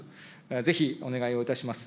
ぜひ、お願いをいたします。